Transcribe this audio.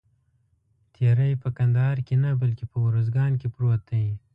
تیری په کندهار کې نه بلکې په اوروزګان کې پروت دی.